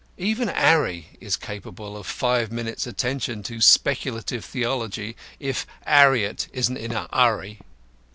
Even 'Arry is capable of five minutes' attention to speculative theology, if 'Arriet isn't in a 'urry.